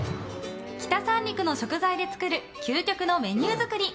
北三陸の食材で作る究極のメニュー作り。